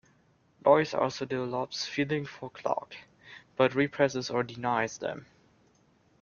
Lois also develops feelings for Clark, but represses or denies them.